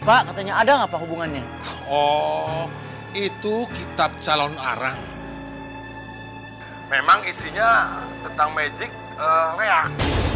pak katanya ada apa hubungannya oh itu kitab calon arang memang isinya tentang magic leah